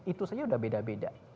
itu saja udah beda beda